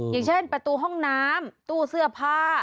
อย่างเช่นประตูห้องน้ำตู้เสื้อผ้า